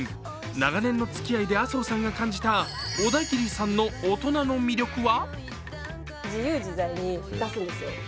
長年のつきあいで麻生さんが感じたオダギリさんの大人の魅力は？